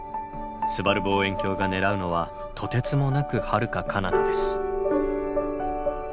すばる望遠鏡が狙うのはとてつもなくはるかかなたです。